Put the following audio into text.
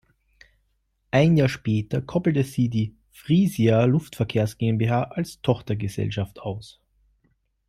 Ein Jahr später koppelte sie die "Frisia Luftverkehrs GmbH" als Tochtergesellschaft aus.